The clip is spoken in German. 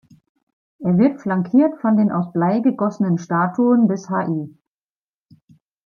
Er wird flankiert von den aus Blei gegossenen Statuen des Hl.